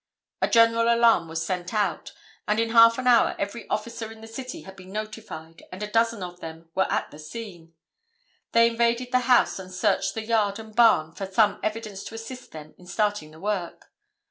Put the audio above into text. A general alarm was sent out, and in half an hour every officer in the city had been notified and a dozen of them were at the scene. They invaded the house and searched the yard and barn for some evidence to assist them in starting the work.